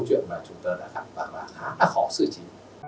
và khá khó xử trì